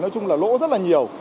nói chung là lỗ rất là nhiều